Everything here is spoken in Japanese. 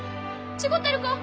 違てるか？